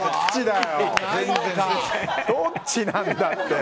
どっちなんだって。